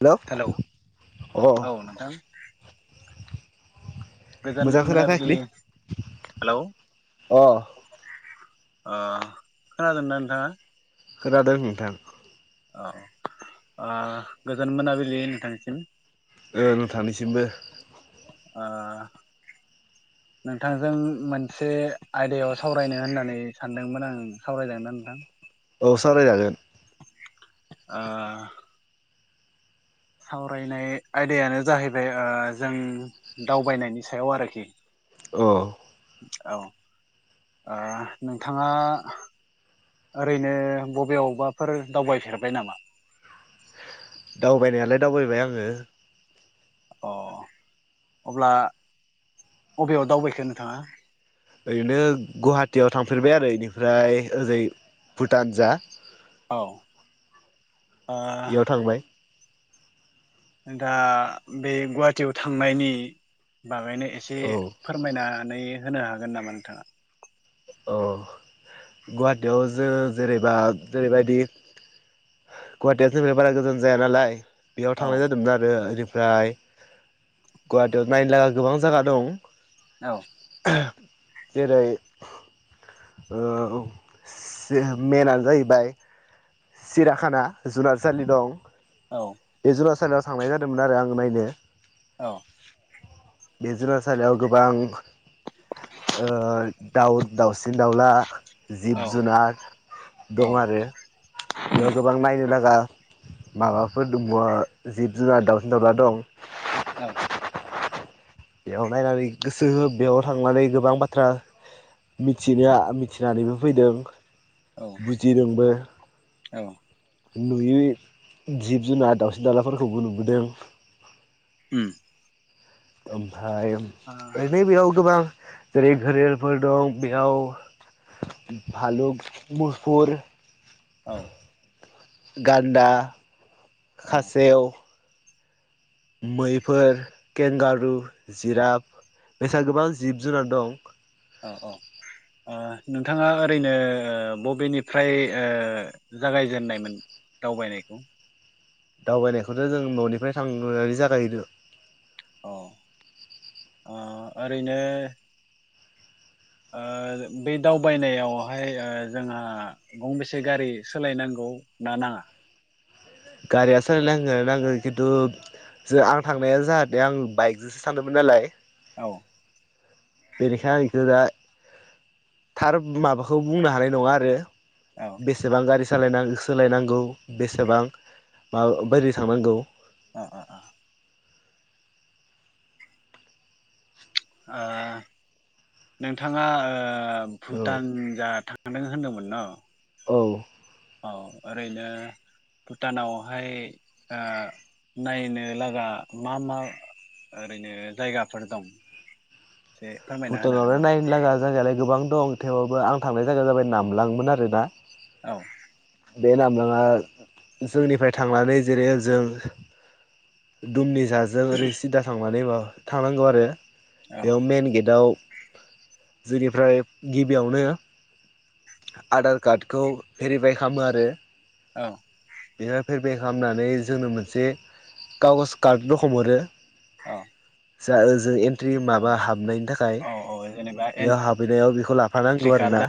Hello अ औ नोंथां गोजोन मोजां खोना मोनाबिलि फैयाखैलै हेलौ अ अ खोनादोंना नोंथाङा? खोनादों नोंथां औ अ गोजोन मोनाबिलि नोंथांसिम ओ नोंथांनिसिमबो आ नोंथांजों मोनसे आयदायाव सावरायनो होननानै सानदोंमोन आं सावरायजागोनना नोंथां? औ सावरायजागोन आ सावरायनाय आयदायानो जाहैबाय अ जों दावबायनायनि सायाव आरोखि औ औ आ नोंथाङा ओरैनो बबेआवबाफोर दावबायफेरबाय नामा? दावबायनायालाय दावबायबाय आङो अ अब्ला अबेयाव दावबायखो नोंथाङा ओरैनो गुवाहाटीयाव थांफेरबाय आरो इनिफ्राय ओजै भुटान जा औ अ बेयाव थांबाय दा बे गुवाहाटियाव थांनायनि बागैनो एसे औ फोरमायनानै होनो हागोन नामा नोंथाङा? औ गुवाहाटीयाव जोङो जेरैबा जेरैबायदि गुवाहाटिया जोंनिफ्राय बारा गोजान जाया नालाय बेयाव औ थांनाय जादोंमोन आरो ओरै ओमफ्राय गुवाहाटियाव नायनो लागा गोबां जागा दं औ जेरै अ मेनानो जाहैबाय सिराखाना जुनारसालि दं। औ बे जुनारसालिआव थांनाय जादोंमोन आरो आं नायनो औ बे जुनारसालियाव गोबां ओ दाउ दाउसिन दाउला जिब औ जुनार औ दं आरो बेयाव गोबां नायनो लागा माबाफोर दंबो जिब जुनार दावसिन दाउला दं। औ बेयाव नायनानै गोसोहो बेयाव थांनानै गोबां बाथ्रा मिथिनोआ मिथिनानैबो फैदों औ बुजिदोंबो नुयै जिब जुनार दाउसिन दालाफोरखौबो नुबोदों उम ओमफाय औ ओरैनो बेयाव गोबां जेरै- घोरेलफोर दं बेयाव भालुक मुफुर औ गान्दा औ खासेव मैफोर केेंगारु जिराब बेसा गोबां जिब जुनार दं। औ औ ओ नोंथाङा ओरैनो बबेनिफ्राय ओ जागायजेननायमोन दावबायनायखौ दावबायनायखौथ' जों न'निफ्राय थांनानै जागायहैदो अ अ ओरैनो ओ बे दावबायनायावहाय ओ जोंहा गंबेसे गारि सोलायनांग' गौ ना नाङा? गारिया सोलाय नांगो नांगो खिन्थु जो आं थांनाया जाहाथे आं बाइकजोंसो थांदोमोन नालाय औ बेनिखायनो आं इखौ दा थार माबाखौ बुंनो हानाय नङा आरो औ बेसेबां गारि सालायनां सोलायनांगौ बेसेबां मा बायदि थांनांगौ अ अ अ ओ नोंथाङा ओ औ भुटान जा थां थांदों होनदोंमोन न' औ औ ओरैनो भुटानावहाय ओ नायनो लागा मा मा ओरैनो जायगाफोर दं। एसे फोरमायना होनो हागोन भुटानावलाय नामा? नायनो लागा जायगायालाय गोबां दं थेवबाबबो आं थांनाय जायगाया जाबाय नामलांमोन आरोना औ बे नामलाङा जोंनिफाय थांनानै जेरै- ओ जों दुमनि जाजों ओरै सिदा थांनानैबा थांनांगौ आरो बेयाव मेन गेटआव जोंनिफ्राय गिबियावनो आधार कार्डखौ भेरिफाइ खामो आरो औ बेनिफाय भेरिभाइ खालामनानै जोंनो मोनसे कागस कार्ड रखम हरो औ जा ओजों एन्ट्रि माबा हाबनायनि थाखाय ओ औ औ जेनेबा बेयाव हाबैनायाव बेखौ एन्ट्रि लाफानांगौ कार्ड आरोना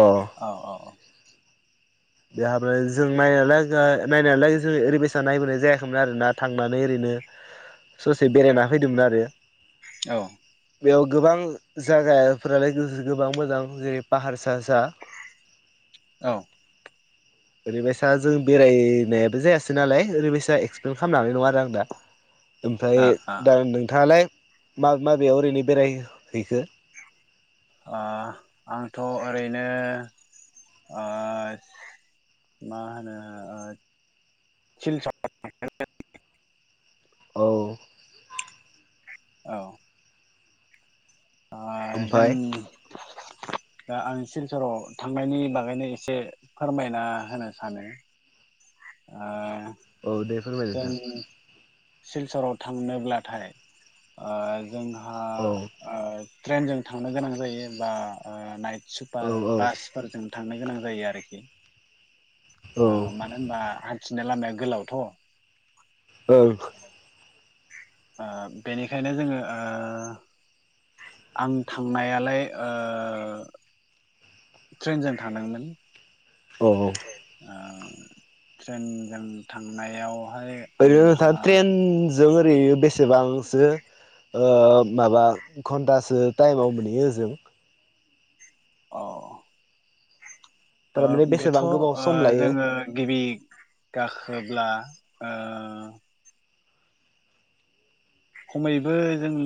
अ औ बेहाब जों नायनायालाय नायालाय जों ओरैबायसाना नायबोनाय जायाखैमोन आरोना थांनानै ओरैनो ससे बेरायना फैदोंमोन आरो औ बेयाव गोबां जायगाफोरालाय गो-गोबां मोजां जेरै- पाहारसा सा औ ओरैबायसा जों बेरायनायाबो जायासै नालाय ओरैबायसा एक्सप्लेन खालामनो हानाय नङा आरो आं दा आ ओमफ्राय आ दा नोंथाङालाय मा माबेयाव ओरैनो बेरायहैखो? आ आंथ' ओरैनो ओ मा होनो ओ सिल [unintelligible] औ औ। अ जों ओमफ्राय दा आं सिलसराव थांनायनि बागैनो एसे फोरमायना होनो सानो। आ औ दे फोरमाय नोंथां। सिलसराव थांनोब्लाथाय अ जोंहा औ अ ट्रेनजों थांनो गोनां जायो बा नाइट औ सुपार औ बासफोरजों थांनो गोनां जायो। जायो आरोखि औ मानो होनबा हान्थिनाय लामाया गोलावथ' औ। ओ बेनिखायनो जोङो ओ आं थांनायालाय ओ ट्रेनजों थादोंमोन औ औ ओ ट्रेनजों थांनायाव ओरैनो नोंथाङा ट्रेनजों ओरै बेसेबांसो ओ माबा घन्टासो टाइमाव मोनहैयो ओजों अ। ओ थारमाने बेथ' बेसेबां ओ गोबाव सम लायो जोङो गिबि गाखोब्ला ओ खमैबो जों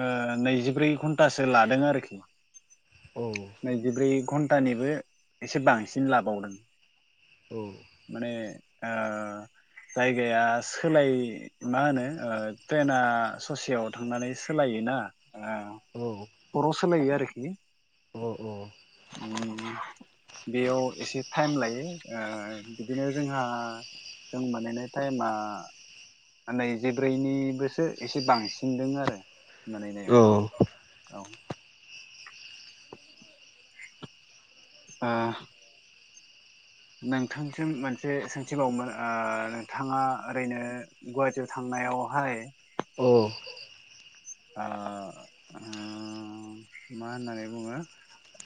ओ नैजिब्रै घन्टासो लादों आरोखि औ नैजिब्रै घन्टानिबो एसे बांसिन लाबावदों औ माने आ जायगाया सोलाय मा होनो ओ ट्रेना ससेयाव थांनानै सोलायो औ [unintelligible] खर' सोलायो आरोखि औ औ ओम। बेयाव एसे टाइम लायो ओ बिदिनो जोंहा जों बानायनाय टाइमा नै जिब्रैनिबोसो एसे बांसिन दों आरो मोनहैनायाव औ औ ओ। नोंथांसिम मोनसे सोंथिबावोमोन ओ नोंथाङा ओरैनो गुवाहाटियाव थां नायावहाय औ आ उम मा होननानै बुङो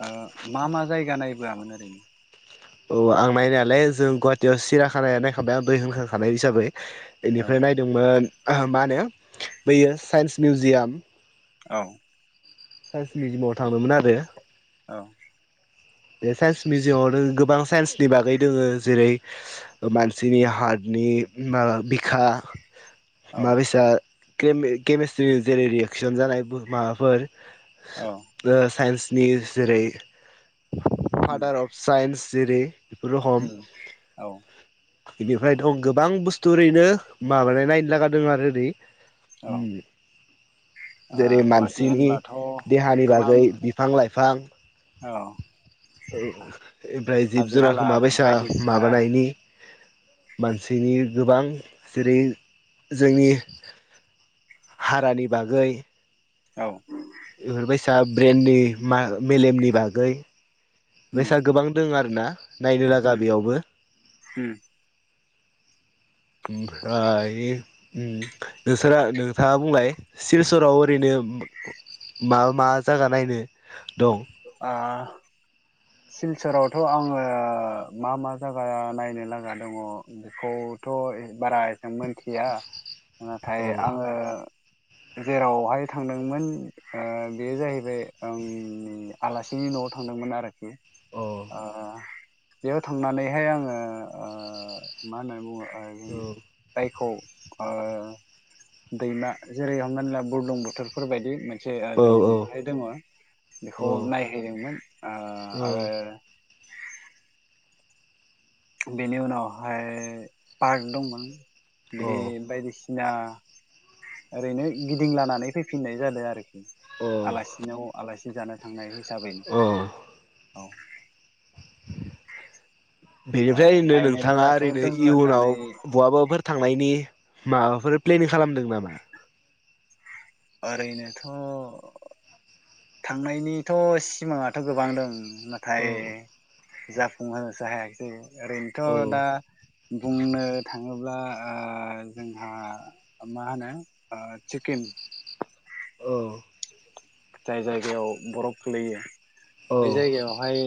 ओ मा मा जायगा नायबोआमोन ओरैनो औ आं नानायालाय जों गुवाहाटियाव सिरिया खाना नायखांबाय आं दहाय होनखांखानाय हिसाबै औ बेनिफ्राय नायदोंमोन मा होनो बैयो साइन्स मिउजियाम औ। साइन्स मिउजियामाव थांदोंमोन आरो। औ। बे साइन्स मिउजियामाव गोबां साइन्सनि बागै दङो जेरै मानसिनि हार्ट नि मा बिखा औ मा बेसाद केमिस्ट्रिनि जेरै रियेकसन जानाय माबाफोर औ साइन्सनि जेरै उम फादार अफ साइन्स जेरै बेफोरो हम उम औ [unintelligible] बेनिफ्राय दं गोबां बुस्थु ओरैनो माबानाय नायनो लागा दों आरो ओरै औ ओ जेरै गुवाहाटि मानसिनि होनब्लाथ' देहानि गोबां बागै बिफां-लाइफां बिफां औ ओ ओमफ्राय हाजो जिब-जुनारखौ हाला माबायसा बायदिसिना माबानायनि मानसिनि गोबां जेरै जोंनि हारानि बागै औ बेफोरबायसा ब्रेन्डनि मा मेलेमनि बागै उम बेबायसा गोबां दं आरो ना? नायनो लागा उम बेयावबो उम ओमफ्राय ओ नोंस्रा नोंथाङा बुंलाय सिलसराव ओरैनो मा -मा जायगा नायनो दं? आ सिलसरावथ' आङो मा- मा जायगा नायनो गोनां दङ बेखौ थ' बारा मोजां मिथिया नाथाय औ आङो जेरावहाय थांदोंमोन ओ बे जाहैबाय ओं आलासिनि न'आव थांदोंमोन आरोखि औ ओ बेयाव थांनानैहाय आङो ओ मा होनना बुङो ओ औ जायखौ ओ दैमा जेरै हमनाानला बुरलुंबुथुरफोरबायदि मोनसे ओ औ जेयाजोंहाय दङ बेखौ नायहैदोंमोन ओ औ आरो बेनि उनावहाय पार्क दंमोन औ बिदि बायदिसिना ना ओरैनो गिदिंलानानै फैफिननाय जादों आरखि औ आलासिनियाव आलासि जानो थांनाय हिसाबैनो औ औ ओ बेनिफ्राय होनदो नायनो नोंथाङा लागाथ' ओरैनो दोङो होननानै इयुनाव बहाबाफोर थांनायनि माबाफोर प्लेनिं खालामदों नामा? ओरैनोथ' थांनायनिथ' सिमाङाथ' गोबां दं नाथाय औ जाफुंहोनोसो हायाखै ओरैनोथ' औ दा बुंनो थाङोब्ला ओ जोंहा मा होनो चिकेन औ जाय जायगायाव बर'फ गोग्लैयो औ बै जायगायावहाय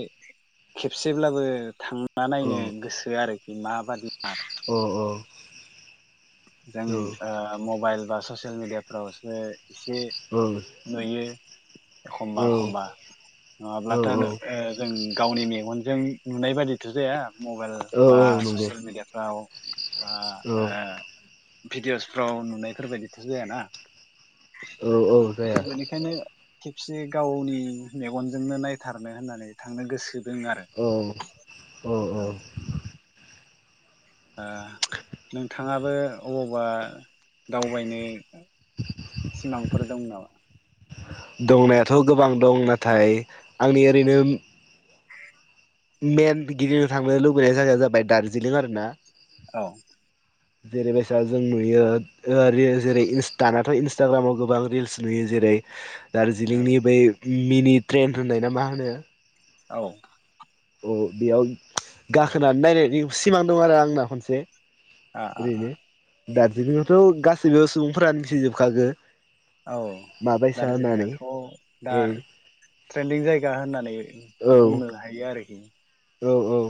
खेबसेब्लाबो थांना नायनो गोसो आरो माबादि म औ-औ जों ओ मबाइल बा ससियेल मिडियाफ्रावसो एसे नुयो एखमबा-एखमबा औ नङाब्लाथ' नो ओ जों गावनि मेगनजों जों नुनाय बादिथ' जाया मबाइल औ बा नंगौ ससियेल मेडियाफ्राव बा भिडिअ'सफ्राव नुनायफोरबायदिथ' जायाना औ औ जाया बेनिखायनो खेबसे गावनि मेगनजोंनो नायथारनो होननानै थांनो गोसो दों आरो औ औ औ ओ नोंथाङाबो अबावबा दावबायनो सिमांफोर दं नामा? दंनायाथ' गोबां दं नाथाय आंनि ओरैनो मेन गिदिंनो थांनो लुबैनाय जायगाया जाबाय दार्जिलिं आरो ना औ जेरै बायसा जों नुयो ओ रिल जेरै इन्सटा दानाथ' इन्सटाग्रामाव गोबां रिल्स नुयो जेरै औ दार्जिलिंनि बै मिनि ट्रेन होननाय ना मा होनो औ औ बेयाव गाखोनानै नायनायनि सिमां दं आरो आंना खनसे आ आ आ ओरैनो दार्जिलिंआवथ' गासैबो सुबुंफोरानो मिथिजोबखागो औ माबायसा होननानै दार्जिलिंआथ' दा औ ट्रेन्दिं जायगा होननानै औ बुंनो हायो आरोखि औ औ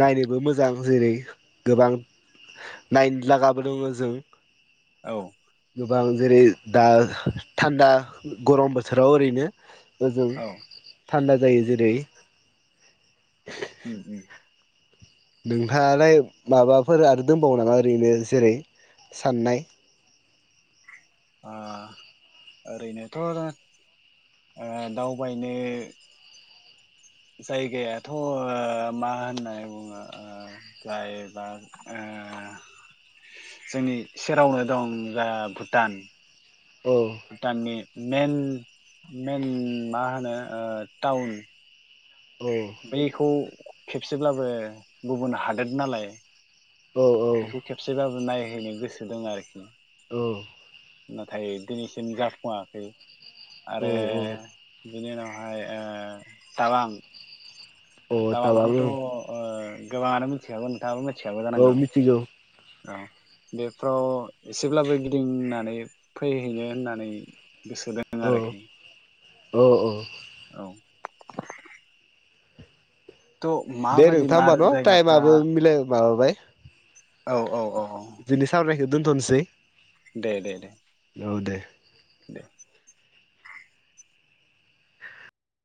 नायनोबो मोजां जेरै गोबां नायनोलागाबो दङ जों औ गोबां जेरै दा थान्दा गरम बोसोराव ओरैनो ओजों औ थान्दा जायो जेरै [inaudible] नोंहालाय माबाफोर आरो दंबावो नामा ओरैनो जेरै साननाय आ ओरैनोथ' दावबायनो जायगायाथ' मा होननानै बुङो ओ जायबा जोंनि सेरावनो दं जा भुटान औ भुटाननि मेइन मा होनो टाउन औ बैखौ खेबसेब्लाबो गुबुन हादोर नालाय औ बेखौ खेबसेबाबो नायहैनो गोसो दं आरोखि औ नाथाय दिनैसिम जाफुङाखै आरो औ औ बिनि उनावहाय ओ टाउवां औ थाबां टावांखौथ' ओं गोबाङानो मिथिखागौ नोंथाङाबो मि थिखानाय औ जानांगौ मिथिगौ बेफ्राव एसेब्लाबो गिदिंनानै फैहैनो होननानै गोसो दोङ औ आरोखि औ औ। औ। थ' दे माबादि नोंथां मा होमब न' जायगाफ्रा टाइमाबो मिलाय माबाबाय औ औ। औ दिनै सावरायनायखौ दोनथ'नोसै दे दे दे। औ दे दे।